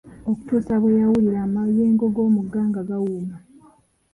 Okutuusa bwe yawulira amayengo g'omugga nga gawuuma.